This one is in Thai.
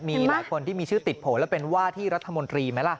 มีหลายคนที่มีชื่อติดโผล่แล้วเป็นว่าที่รัฐมนตรีไหมล่ะ